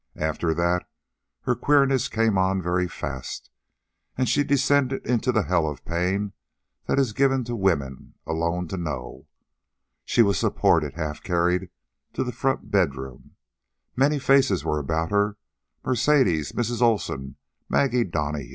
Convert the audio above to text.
After that her queerness came on very fast, and she descended into the hell of pain that is given to women alone to know. She was supported, half carried, to the front bedroom. Many faces were about her Mercedes, Mrs. Olsen, Maggie Donahue.